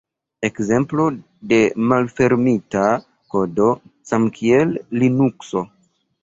Ekzemplo de malfermita kodo samkiel Linukso.